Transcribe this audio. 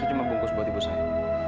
itu cuma bungkus buat ibu saya